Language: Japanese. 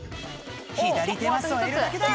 左手は添えるだけだ。